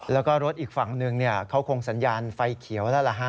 แล้วก็รถอีกฝั่งหนึ่งเขาคงสัญญาณไฟเขียวแล้วล่ะฮะ